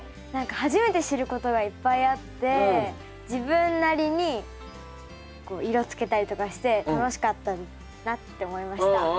何か初めて知ることがいっぱいあって自分なりにこう色つけたりとかして楽しかったなって思いました。